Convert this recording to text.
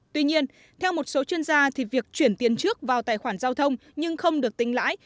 tuy nhiên theo một số chuyên gia thì việc chuyển tiền trước vào tài khoản giao thông nhưng không được tính lãi